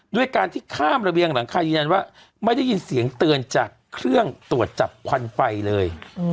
ด้วยการที่ข้ามระเบียงหลังคายืนยันว่าไม่ได้ยินเสียงเตือนจากเครื่องตรวจจับควันไฟเลย